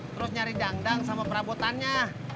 terus nyari dangdang sama perabotannya